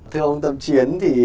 thưa ông tâm chiến thì